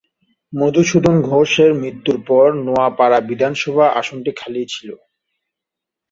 মধুসূদন ঘোষ এর মৃত্যুর পর নোয়াপাড়া বিধানসভা আসনটি খালি ছিল।